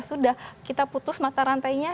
sudah kita putus mata rantainya